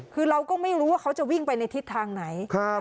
คือเราก็ไม่รู้ว่าเขาจะวิ่งไปในทิศทางไหน